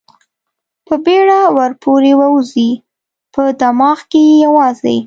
په بېړه ور پورې ووځي، په دماغ کې یې یوازې.